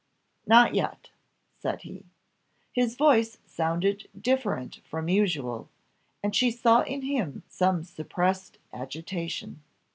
"Not yet," said he. His voice sounded different from usual, and she saw in him some suppressed agitation.